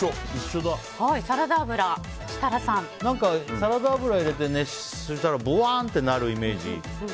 サラダ油を入れて熱したらぼわんってなるイメージ。